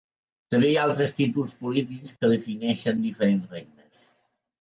També hi ha altres títols polítics que defineixen diferents regnes.